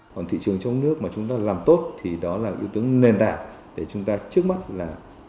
còn thị trường trong nước mà chúng ta làm tốt thì đó là ưu tướng nền đảng để chúng ta trước mắt là